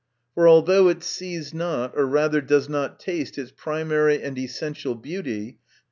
For, although it sees not, or rather does not taste its primary and essential beauty, i.